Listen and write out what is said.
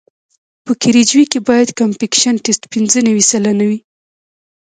په کیریج وې کې باید کمپکشن ټسټ پینځه نوي سلنه وي